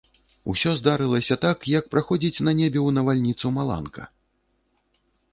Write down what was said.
Усё здарылася так, як праходзіць на небе ў навальніцу маланка.